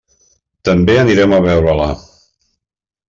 També anirem a veure-la.